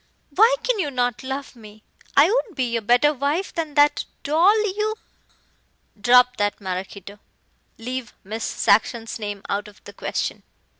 "Why can you not love me? I would be a better wife than that doll you " "Drop that, Maraquito. Leave Miss Saxon's name out of the question."